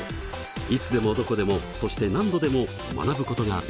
いつでもどこでもそして何度でも学ぶことができます。